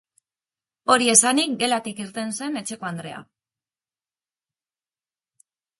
Hori esanik, gelatik irten zen etxekoandrea.